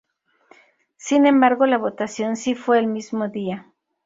Sin embargo, la votación sí fue el mismo día.